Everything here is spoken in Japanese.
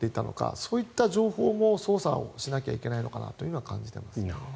そういった情報も捜査をしなきゃいけないのかなと感じていますね。